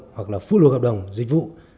hoặc là phút luộc hợp đồng dịch vụ